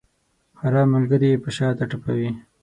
خراب ملګري یې په شاته ټپوي.